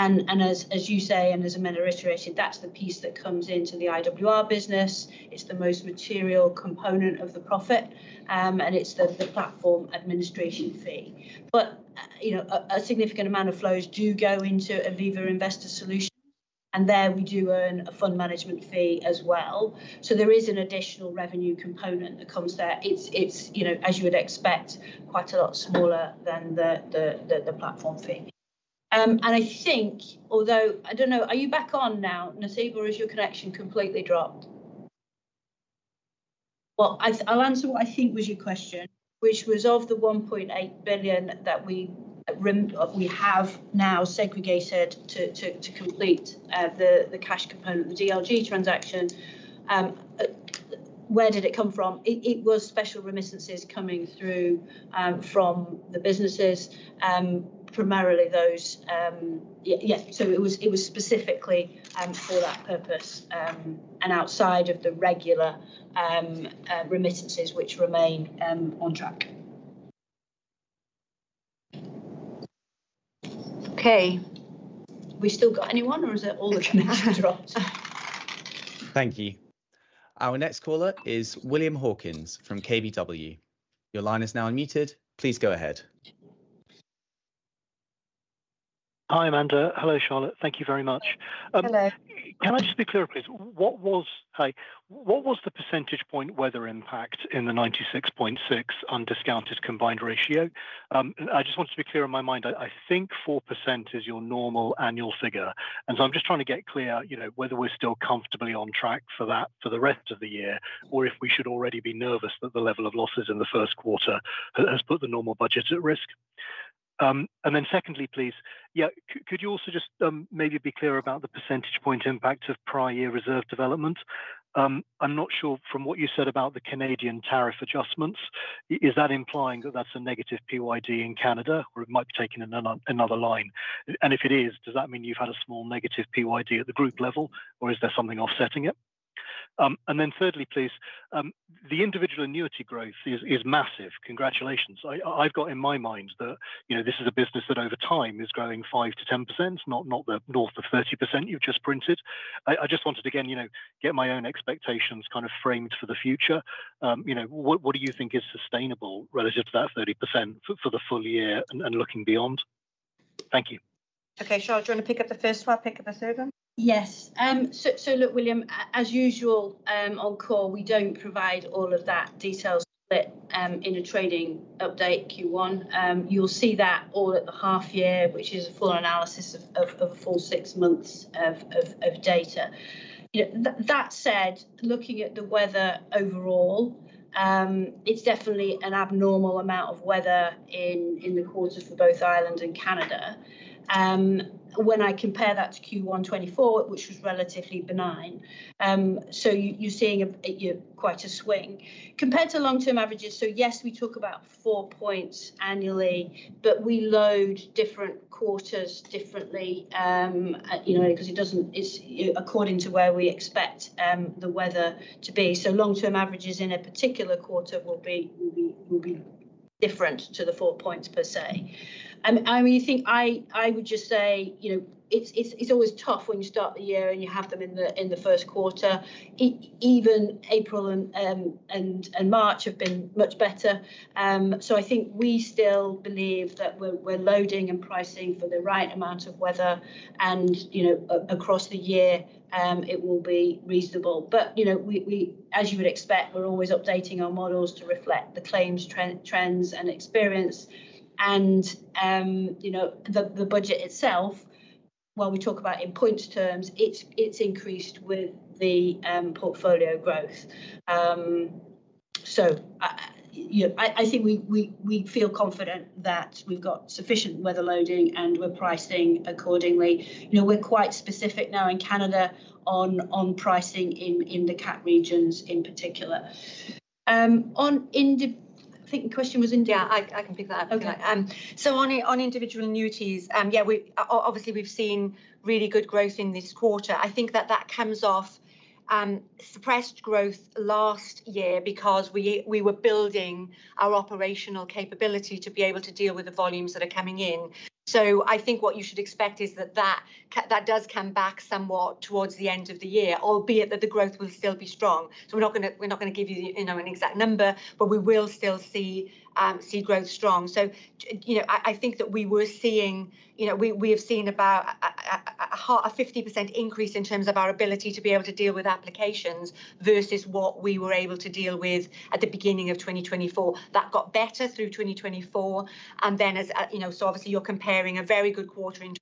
As you say, and as Amanda reiterated, that's the piece that comes into the IWR business. It's the most material component of the profit, and it's the platform administration fee. A significant amount of flows do go into Aviva Investor Solutions, and there we do earn a fund management fee as well. There is an additional revenue component that comes there. It's, as you would expect, quite a lot smaller than the platform fee. I think, although I don't know, are you back on now, Nasib, or has your connection completely dropped? I'll answer what I think was your question, which was of the 1.8 billion that we have now segregated to complete the cash component, the DLG transaction. Where did it come from? It was special remittances coming through from the businesses, primarily those. Yeah. It was specifically for that purpose and outside of the regular remittances, which remain on track. Okay. We still got anyone, or has the connection dropped? Thank you. Our next caller is William Hawkins from KBW. Your line is now unmuted. Please go ahead. Hi, Amanda. Hello, Charlotte. Thank you very much. Can I just be clear, please? What was the percentage point weather impact in the 96.6% undiscounted combined ratio? I just want to be clear in my mind. I think 4% is your normal annual figure. I am just trying to get clear whether we are still comfortably on track for that for the rest of the year or if we should already be nervous that the level of losses in the first quarter has put the normal budgets at risk. Then secondly, please, could you also just maybe be clear about the percentage point impact of prior year reserve development? I'm not sure from what you said about the Canadian tariff adjustments. Is that implying that that's a negative PYD in Canada, or it might be taking another line? If it is, does that mean you've had a small negative PYD at the group level, or is there something offsetting it? Thirdly, please, the individual annuity growth is massive. Congratulations. I've got in my mind that this is a business that over time is growing 5%-10%, not north of 30% you've just printed. I just wanted to, again, get my own expectations kind of framed for the future. What do you think is sustainable relative to that 30% for the full year and looking beyond? Thank you. Okay. Charlotte, do you want to pick up the first one? Pick up the third one? Yes. Look, William, as usual on call, we do not provide all of that detail split in a trading update Q1. You will see that all at the half year, which is a full analysis of four, six months of data. That said, looking at the weather overall, it is definitely an abnormal amount of weather in the quarter for both Ireland and Canada. When I compare that to Q1 2024, which was relatively benign, you are seeing quite a swing. Compared to long-term averages, yes, we talk about four points annually, but we load different quarters differently because it does not according to where we expect the weather to be. Long-term averages in a particular quarter will be different to the four points per se. I mean, I think I would just say it's always tough when you start the year and you have them in the first quarter. Even April and March have been much better. I think we still believe that we're loading and pricing for the right amount of weather, and across the year, it will be reasonable. As you would expect, we're always updating our models to reflect the claims trends and experience. The budget itself, while we talk about in points terms, it's increased with the portfolio growth. I think we feel confident that we've got sufficient weather loading, and we're pricing accordingly. We're quite specific now in Canada on pricing in the CAT regions in particular. I think the question was. Yeah, I can pick that up. Okay. On individual annuities, yeah, obviously, we've seen really good growth in this quarter. I think that comes off suppressed growth last year because we were building our operational capability to be able to deal with the volumes that are coming in. I think what you should expect is that does come back somewhat towards the end of the year, albeit that the growth will still be strong. We are not going to give you an exact number, but we will still see growth strong. I think that we have seen about a 50% increase in terms of our ability to be able to deal with applications versus what we were able to deal with at the beginning of 2024. That got better through 2024. Obviously, you are comparing a very good quarter in 2025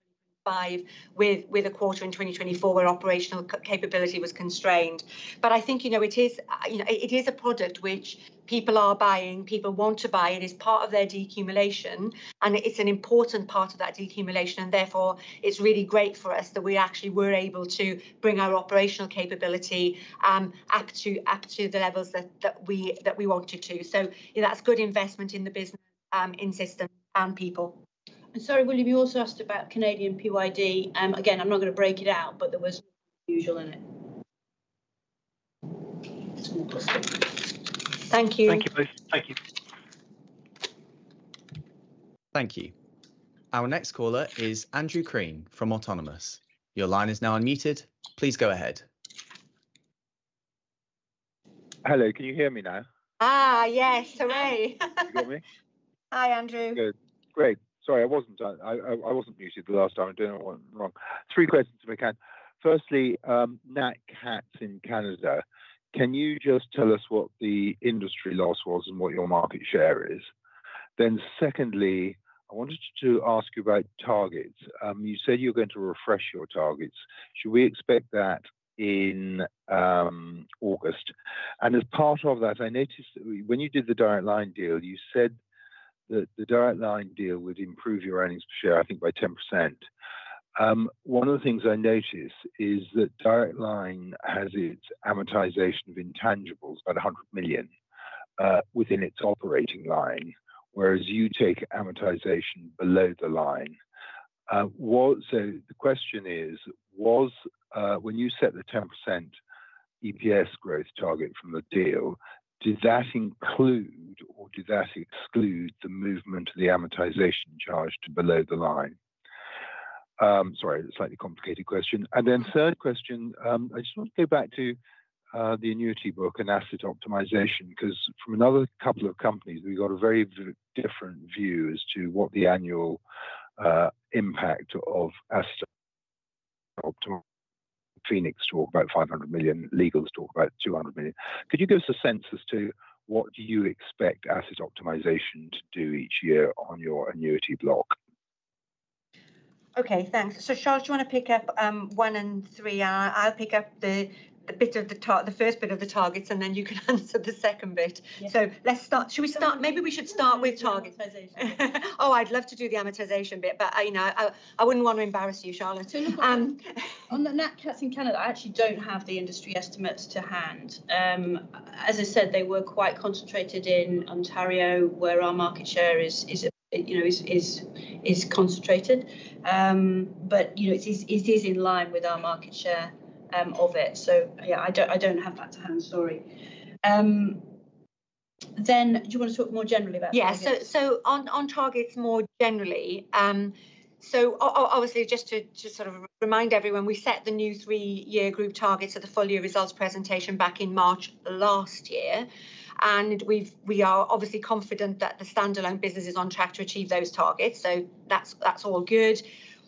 with a quarter in 2024 where operational capability was constrained. I think it is a product which people are buying. People want to buy. It is part of their decumulation, and it's an important part of that decumulation. Therefore, it's really great for us that we actually were able to bring our operational capability up to the levels that we wanted to. That's good investment in the business, in systems, and people. Sorry, William, you also asked about Canadian PYD. Again, I'm not going to break it out, but there was usual in it. Thank you. Thank you. Thank you. Thank you. Our next caller is Andrew Green from Autonomous. Your line is now unmuted. Please go ahead. Hello. Can you hear me now? Yes. Hooray. Can you hear me? Hi, Andrew. Good. Great. Sorry, I wasn't muted the last time. I'm doing it wrong. Three questions if I can. Firstly, NAC Hats in Canada, can you just tell us what the industry loss was and what your market share is? Secondly, I wanted to ask you about targets. You said you're going to refresh your targets. Should we expect that in August? As part of that, I noticed when you did the Direct Line deal, you said that the Direct Line deal would improve your earnings per share, I think, by 10%. One of the things I noticed is that Direct Line has its amortization of intangibles at 100 million within its operating line, whereas you take amortization below the line. The question is, when you set the 10% EPS growth target from the deal, did that include or did that exclude the movement of the amortization charge to below the line? Sorry, slightly complicated question. Third question, I just want to go back to the annuity book and asset optimization because from another couple of companies, we got a very different view as to what the annual impact of asset optimization. Phoenix talked about 500 million. Legal talked about 200 million. Could you give us a sense as to what do you expect asset optimization to do each year on your annuity block? Okay. Thanks. Charlotte, do you want to pick up one and three? I'll pick up the bit of the first bit of the targets, and then you can answer the second bit. Should we start? Maybe we should start with targets. I'd love to do the amortization bit, but I wouldn't want to embarrass you, Charlotte. Look, on the NAC Hats in Canada, I actually don't have the industry estimates to hand. As I said, they were quite concentrated in Ontario, where our market share is concentrated. It is in line with our market share of it. Yeah, I do not have that to hand. Sorry. Do you want to talk more generally about targets? Yeah. On targets more generally, just to sort of remind everyone, we set the new three-year group targets at the full-year results presentation back in March last year. We are confident that the standalone business is on track to achieve those targets. That is all good.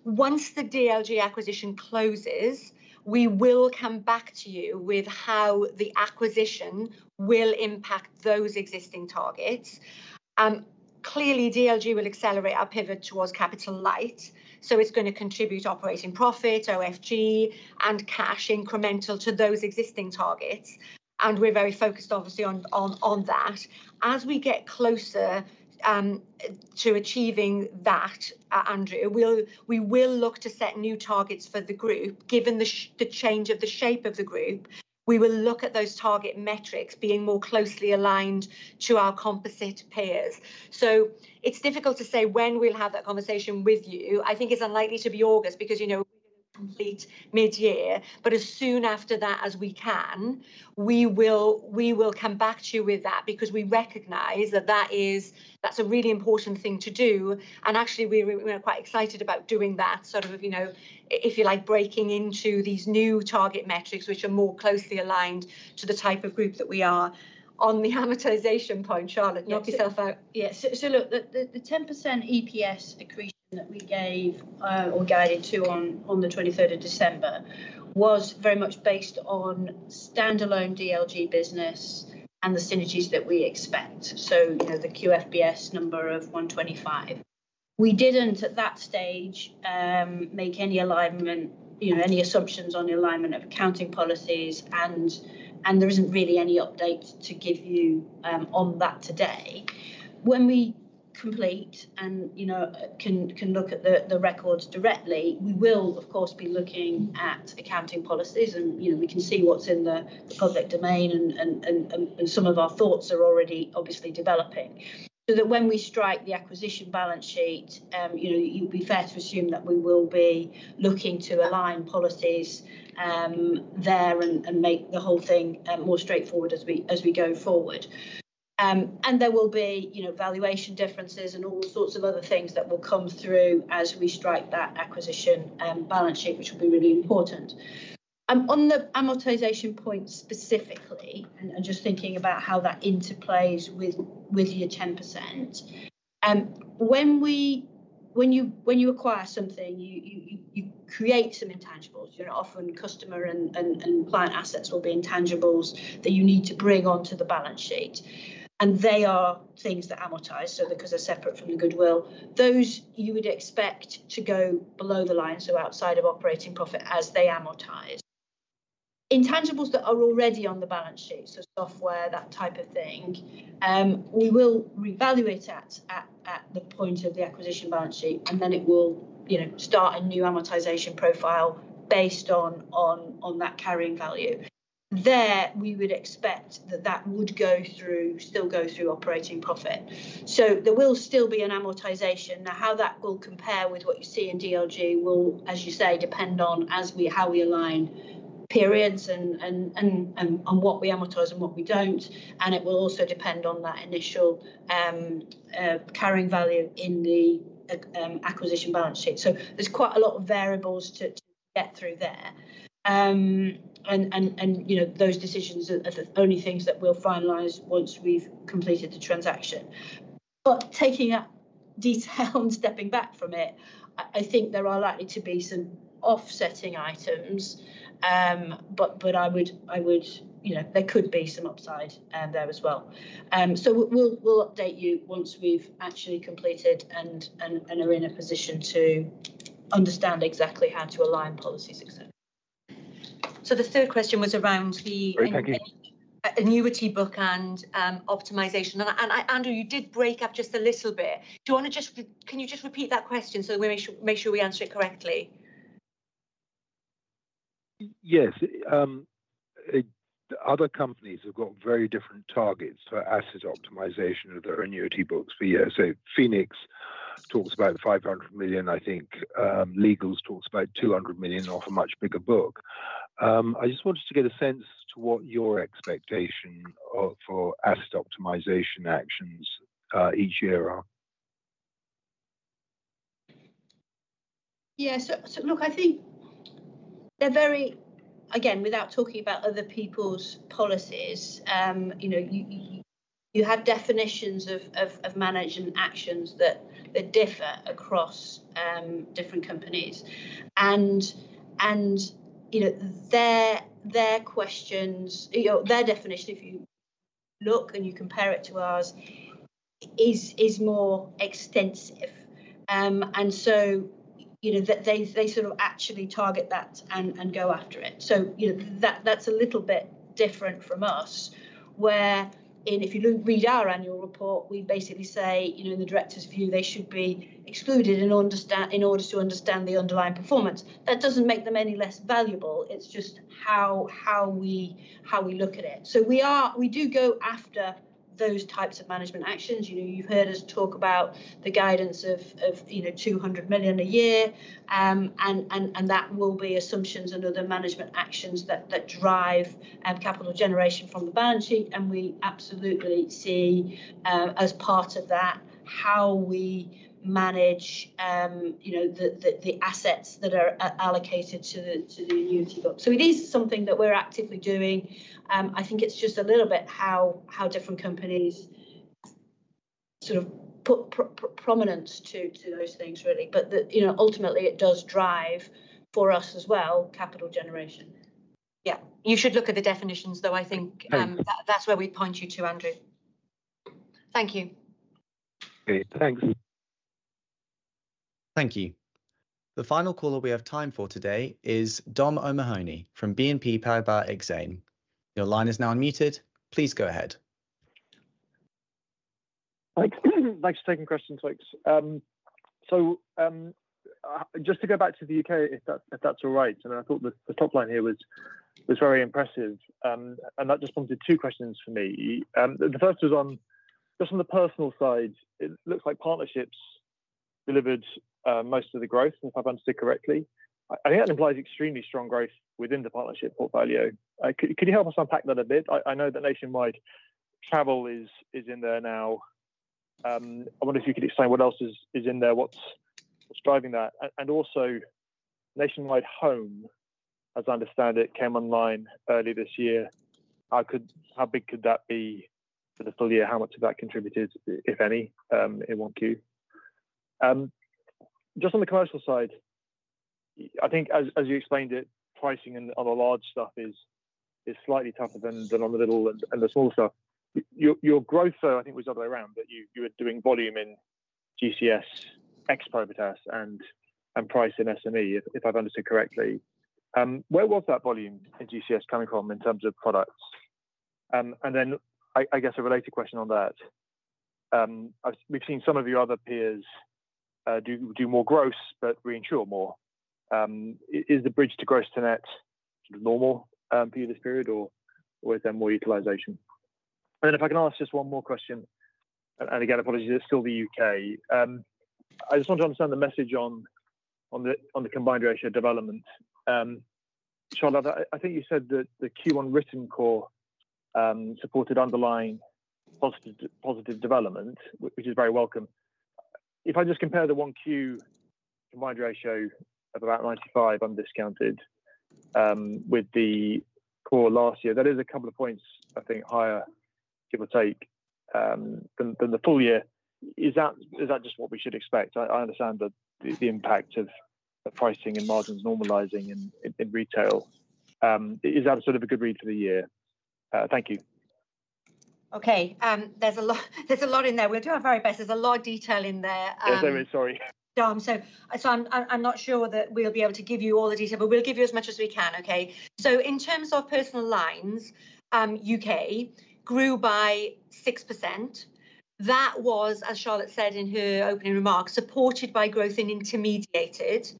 Once the DLG acquisition closes, we will come back to you with how the acquisition will impact those existing targets. Clearly, DLG will accelerate our pivot towards capital light. It is going to contribute operating profit, OFG, and cash incremental to those existing targets. We are very focused, obviously, on that. As we get closer to achieving that, Andrew, we will look to set new targets for the group. Given the change of the shape of the group, we will look at those target metrics being more closely aligned to our composite peers. It's difficult to say when we'll have that conversation with you. I think it's unlikely to be August because we're going to complete mid-year. As soon after that as we can, we will come back to you with that because we recognize that that's a really important thing to do. Actually, we're quite excited about doing that, sort of, if you like, breaking into these new target metrics which are more closely aligned to the type of group that we are. On the amortization point, Charlotte, knock yourself out. Yeah. Look, the 10% EPS accretion that we gave or guided to on the 23rd of December was very much based on standalone DLG business and the synergies that we expect. The QFBS number of 125. We did not, at that stage, make any alignment, any assumptions on the alignment of accounting policies. There is not really any update to give you on that today. When we complete and can look at the records directly, we will, of course, be looking at accounting policies, and we can see what is in the public domain. Some of our thoughts are already obviously developing. When we strike the acquisition balance sheet, it would be fair to assume that we will be looking to align policies there and make the whole thing more straightforward as we go forward. There will be valuation differences and all sorts of other things that will come through as we strike that acquisition balance sheet, which will be really important. On the amortization point specifically, and just thinking about how that interplays with your 10%, when you acquire something, you create some intangibles. Often customer and client assets will be intangibles that you need to bring onto the balance sheet. They are things that amortize because they are separate from the goodwill. Those you would expect to go below the line, so outside of operating profit as they amortize. Intangibles that are already on the balance sheet, so software, that type of thing, we will revaluate at the point of the acquisition balance sheet, and then it will start a new amortization profile based on that carrying value. There, we would expect that that would still go through operating profit. There will still be an amortization. How that will compare with what you see in DLG will, as you say, depend on how we align periods and on what we amortize and what we do not. It will also depend on that initial carrying value in the acquisition balance sheet. There are quite a lot of variables to get through there. Those decisions are the only things that we will finalize once we have completed the transaction. Taking that detail and stepping back from it, I think there are likely to be some offsetting items. I would say there could be some upside there as well. We will update you once we have actually completed and are in a position to understand exactly how to align policies, etc. The third question was around the annuity book and optimization. Andrew, you did break up just a little bit. Do you want to just, can you just repeat that question so we make sure we answer it correctly? Yes. Other companies have got very different targets for asset optimization of their annuity books per year. Phoenix talks about 500 million, I think. Legal talks about 200 million off a much bigger book. I just wanted to get a sense to what your expectation for asset optimization actions each year are. Yeah. I think they're very, again, without talking about other people's policies, you have definitions of management actions that differ across different companies. Their definition, if you look and you compare it to ours, is more extensive. They sort of actually target that and go after it. That is a little bit different from us, where if you read our annual report, we basically say, in the directors' view, they should be excluded in order to understand the underlying performance. That does not make them any less valuable. It is just how we look at it. We do go after those types of management actions. You have heard us talk about the guidance of 200 million a year. That will be assumptions and other management actions that drive capital generation from the balance sheet. We absolutely see, as part of that, how we manage the assets that are allocated to the annuity book. It is something that we are actively doing. I think it is just a little bit how different companies sort of put prominence to those things, really. Ultimately, it does drive for us as well, capital generation. Yeah. You should look at the definitions, though. I think that's where we'd point you to, Andrew. Thank you. Okay. Thanks. Thank you. The final caller we have time for today is Dom O'Mahony from BNP Paribas Exane. Your line is now unmuted. Please go ahead. Thanks for taking questions, folks. Just to go back to the U.K., if that's all right. I thought the top line here was very impressive. That just prompted two questions for me. The first was just on the personal side. It looks like partnerships delivered most of the growth, if I've understood correctly. I think that implies extremely strong growth within the partnership portfolio. Could you help us unpack that a bit? I know that Nationwide travel is in there now. I wonder if you could explain what else is in there, what's driving that. Nationwide home, as I understand it, came online early this year. How big could that be for the full year? How much of that contributed, if any, in Q1? Just on the commercial side, I think, as you explained it, pricing and other large stuff is slightly tougher than on the little and the small stuff. Your growth, though, I think was the other way around, that you were doing volume in GCS ex-private assets and price in SME, if I've understood correctly. Where was that volume in GCS coming from in terms of products? I guess a related question on that. We've seen some of your other peers do more gross but reinsure more. Is the bridge to gross to net normal for you this period, or is there more utilization? If I can ask just one more question, and again, apologies, it is still the U.K. I just want to understand the message on the combined ratio development. Charlotte, I think you said that the Q1 written core supported underlying positive development, which is very welcome. If I just compare the Q1 combined ratio of about 95 undiscounted with the core last year, that is a couple of points, I think, higher, give or take, than the full year. Is that just what we should expect? I understand the impact of pricing and margins normalizing in retail. Is that sort of a good read for the year? Thank you. There is a lot in there. We will do our very best. There is a lot of detail in there. Yes, there is. Sorry. Dom, I am not sure that we will be able to give you all the detail, but we will give you as much as we can, okay? In terms of personal lines, U.K. grew by 6%. That was, as Charlotte said in her opening remarks, supported by growth in intermediated,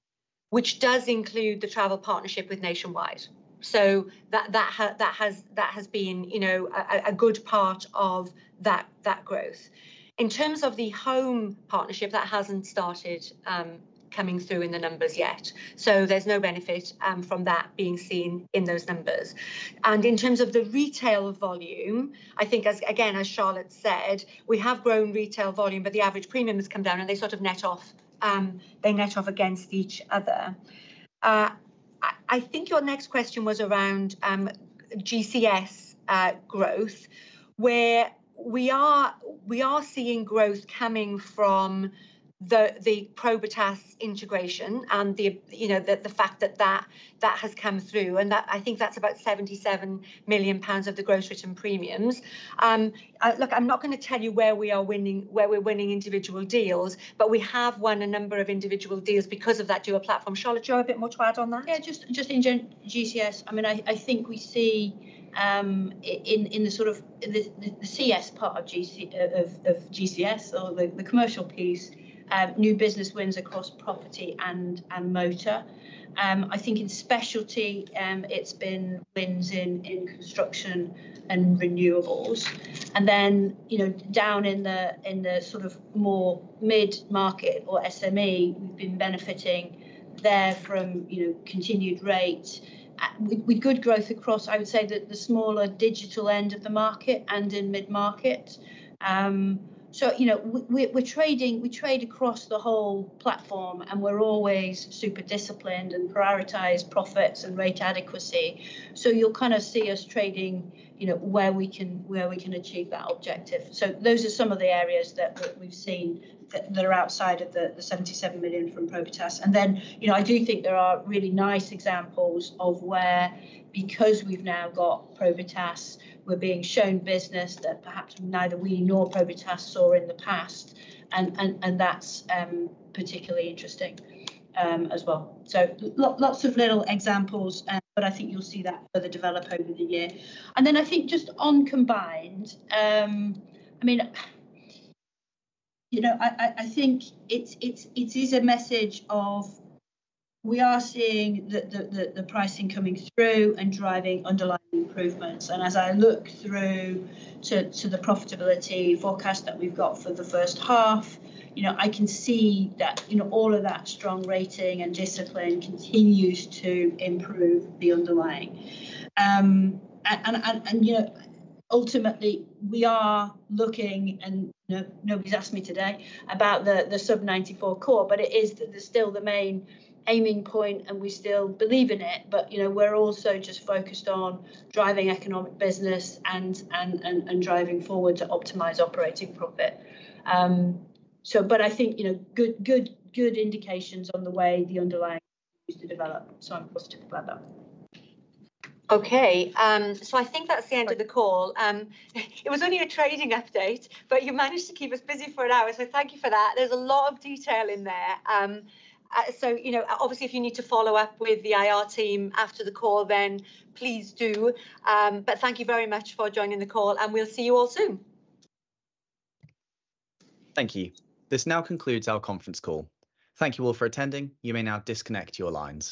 which does include the travel partnership with Nationwide. That has been a good part of that growth. In terms of the home partnership, that has not started coming through in the numbers yet. There is no benefit from that being seen in those numbers. In terms of the retail volume, I think, again, as Charlotte said, we have grown retail volume, but the average premium has come down, and they sort of net off. They net off against each other. I think your next question was around GCS growth, where we are seeing growth coming from the Probitas integration and the fact that that has come through. I think that is about 77 million pounds of the gross written premiums. Look, I am not going to tell you where we are winning individual deals, but we have won a number of individual deals because of that dual platform. Charlotte, do you have a bit more to add on that? Yeah. Just in GCS, I mean, I think we see in the sort of the CS part of GCS, or the commercial piece, new business wins across property and motor. I think in specialty, it has been wins in construction and renewables. Then down in the sort of more mid-market or SME, we have been benefiting there from continued rates. With good growth across, I would say, the smaller digital end of the market and in mid-market. We trade across the whole platform, and we're always super disciplined and prioritize profits and rate adequacy. You'll kind of see us trading where we can achieve that objective. Those are some of the areas that we've seen that are outside of the 77 million from Probitas. I do think there are really nice examples of where, because we've now got Probitas, we're being shown business that perhaps neither we nor Probitas saw in the past. That is particularly interesting as well. Lots of little examples, but I think you'll see that further develop over the year. I think just on combined, I mean, I think it is a message of we are seeing the pricing coming through and driving underlying improvements. As I look through to the profitability forecast that we have for the first half, I can see that all of that strong rating and discipline continues to improve the underlying. Ultimately, we are looking, and nobody has asked me today about the sub-94 COR, but it is still the main aiming point, and we still believe in it. We are also just focused on driving economic business and driving forward to optimize operating profit. I think there are good indications on the way the underlying needs to develop. I am positive about that. Okay. I think that is the end of the call. It was only a trading update, but you managed to keep us busy for an hour, so thank you for that. There is a lot of detail in there. Obviously, if you need to follow up with the IR team after the call, then please do. Thank you very much for joining the call, and we'll see you all soon. Thank you. This now concludes our conference call. Thank you all for attending. You may now disconnect your lines.